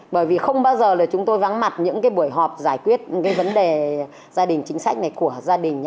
bởi vì không bao giờ là chúng tôi vắng mặt những cái buổi họp giải quyết cái vấn đề gia đình chính sách này của gia đình